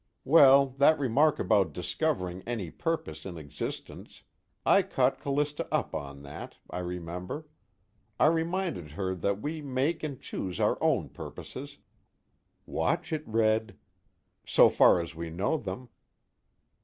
Well, that remark about discovering any purpose in existence I caught Callista up on that, I remember. I reminded her that we make and choose our own purposes " (Watch it, Red!) "so far as we know them."